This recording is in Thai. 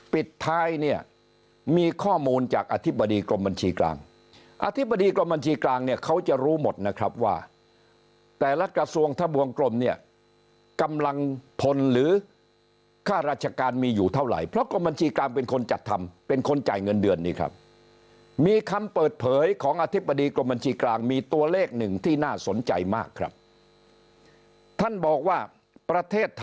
ปิดท้ายเนี่ยมีข้อมูลจากอธิบดีกรมบัญชีกลางอธิบดีกรมบัญชีกลางเนี่ยเขาจะรู้หมดนะครับว่าแต่ละกระทรวงทะบวงกลมเนี่ยกำลังพลหรือค่าราชการมีอยู่เท่าไหร่เพราะกรมบัญชีกลางเป็นคนจัดทำเป็นคนจ่ายเงินเดือนนี่ครับมีคำเปิดเผยของอธิบดีกรมบัญชีกลางมีตัวเลขหนึ่งที่น่าสนใจมากครับท่านบอกว่าประเทศท